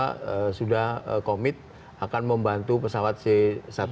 singapura sudah komit akan membantu pesawat c satu ratus tiga puluh lima yang